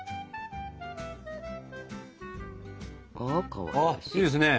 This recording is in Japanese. ああいいですね！